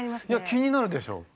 いや気になるでしょ。